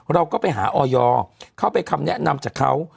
เราก็ไปหาออยเข้าไปคำแนะนำจากเขา